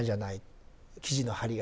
生地の張りがある。